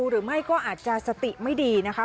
หรือไม่ก็อาจจะสติไม่ดีนะคะ